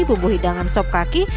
bumbu hidangan sob kaki